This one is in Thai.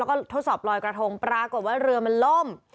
แล้วก็ทดสอบลอยกระทงปรากฏว่าเรือมันล่ม